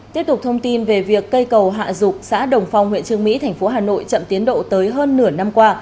tiếp tục thông tin về việc cây cầu hạ dục xã đồng phong huyện trương mỹ thành phố hà nội chậm tiến độ tới hơn nửa năm qua